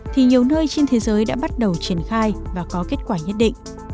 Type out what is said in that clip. thì nhiều nơi trên thế giới đã bắt đầu triển khai và có kết quả nhất định